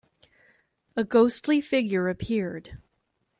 A ghostly figure appeared.